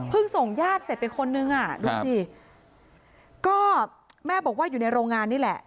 ส่งญาติเสร็จไปคนนึงอ่ะดูสิก็แม่บอกว่าอยู่ในโรงงานนี่แหละ